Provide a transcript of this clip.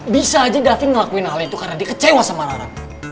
bisa aja grafi ngelakuin hal itu karena dia kecewa sama rara